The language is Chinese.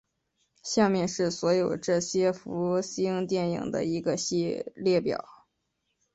下面是所有这些福星电影的一个列表。